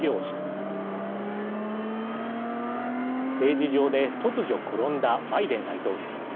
ステージ上で突如転んだバイデン大統領。